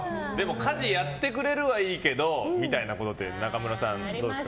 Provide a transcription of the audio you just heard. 家事やってくれるはいいけどってこと中村さん、どうですか？